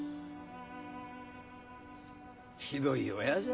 ひどい親じゃ。